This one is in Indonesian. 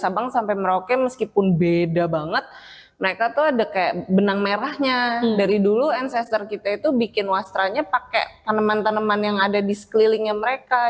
benang merahnya dari dulu ancestor kita itu bikin wastranya pakai tanaman tanaman yang ada di sekelilingnya mereka